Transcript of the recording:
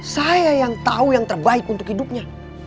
saya yang tahu yang terbaik untuk hidupnya